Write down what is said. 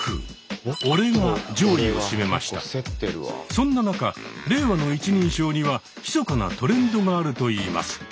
そんな中令和の一人称にはひそかなトレンドがあるといいます。